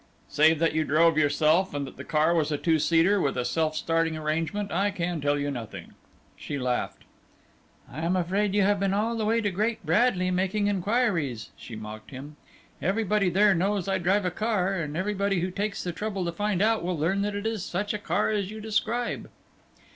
"Save that you drove yourself and that the car was a two seater, with a self starting arrangement, I can tell you nothing." She laughed. "I am afraid you have been all the way to Great Bradley making inquiries," she mocked him. "Everybody there knows I drive a car, and everybody who takes the trouble to find out will learn that it is such a car as you describe."